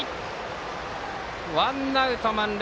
ワンアウト満塁。